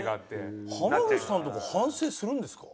濱口さんとか反省するんですか？